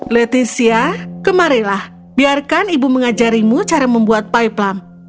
leticia kemarilah biarkan ibu mengajarimu cara membuat pie plump